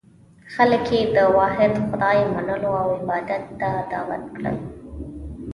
خلک یې د واحد خدای منلو او عبادت ته دعوت کړل.